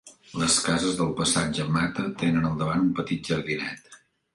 Les cases del passatge Mata tenen al davant un petit jardinet.